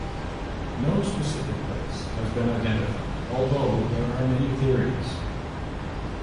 No specific place has been identified, although there are many theories.